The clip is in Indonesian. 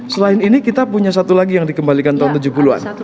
selain ini kita punya satu lagi yang dikembalikan tahun tujuh puluh an